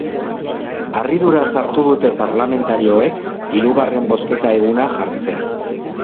Harriduraz hartu dute parlamentarioek hirugarren bozketa eguna jartzea.